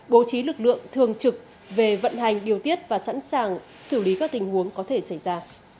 bố trí lực lượng thường trực về vận hành điều tiết và sẵn sàng xử lý các tình huống có thể xảy ra